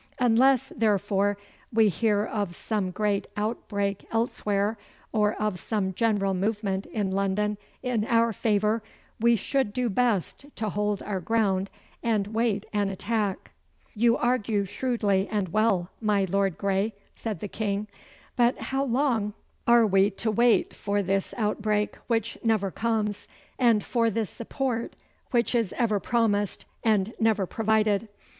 Unless, therefore, we hear of some great outbreak elsewhere, or of some general movement in London in our favour, we would do best to hold our ground and wait an attack.' 'You argue shrewdly and well, my Lord Grey,' said the King. 'But how long are we to wait for this outbreak which never comes, and for this support which is ever promised and never provided?